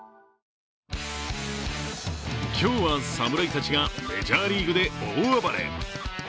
今日は侍たちがメジャーリーグで大暴れ。